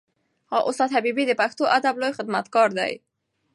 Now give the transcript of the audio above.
استاد حبیبي د پښتو ادب لوی خدمتګار دی.